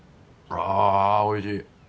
あおいしい！